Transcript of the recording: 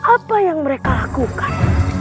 apa yang mereka lakukan